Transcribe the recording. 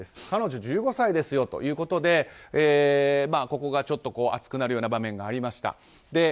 彼女１５歳ですよということでここが熱くなるような場面がありました。